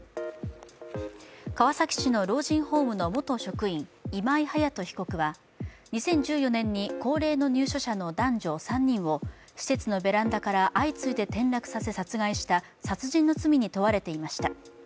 川崎市の老人ホームの元職員、今井隼人被告は２０１４年に高齢の入所者の男女３人を施設のベランダから相次いで転落させ殺害した殺人の罪に問われていました。